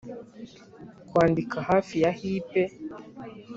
kwandika hafi ya hipe